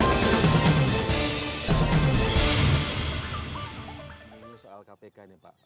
ini soal kpk ini pak